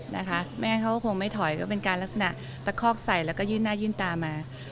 ไม่งั้นเขาก็คงไม่ถอยเป็นการลักษณะปะคอกใสและยื่นหน้ายื่นตามา